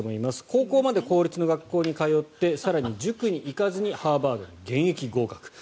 高校まで公立の学校に通って更に、塾に行かずにハーバードに現役合格。